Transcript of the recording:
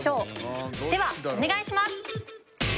ではお願いします。